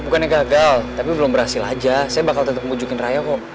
bukannya gagal tapi belum berhasil aja saya bakal tetep ngebujukin raya kong